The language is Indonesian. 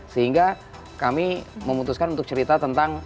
sehingga kami memutuskan untuk cerita tentang